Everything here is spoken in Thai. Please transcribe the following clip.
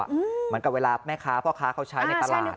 เหมือนกับเวลาแม่ค้าพ่อค้าเขาใช้ในตลาด